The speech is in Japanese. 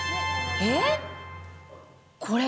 えっ？